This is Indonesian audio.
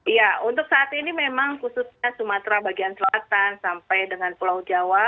iya untuk saat ini memang khususnya sumatera bagian selatan sampai dengan pulau jawa